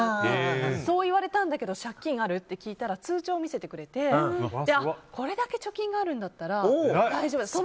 そう言われたんだけど借金、ある？って聞いたら通帳を見せてくれてこれだけ貯金があるんだったら大丈夫だと。